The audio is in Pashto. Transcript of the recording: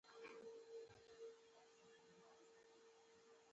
دښمن ته هېڅکله خپله توره مه ښایه